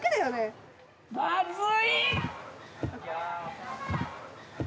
まずい！